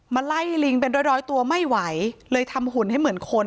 มาไล่ลิงเป็นร้อยร้อยตัวไม่ไหวเลยทำหุ่นให้เหมือนคน